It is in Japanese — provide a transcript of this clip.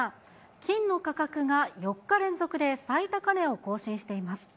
金の価格が４日連続で最高値を更新しています。